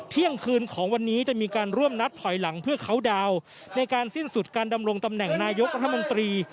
เที่ยงคืนของวันนี้จะมีการร่วมนับถอยหลังเพื่อเขาดาวน์ในการสิ้นสุดการดำรงตำแหน่งนายกรัฐมนตรี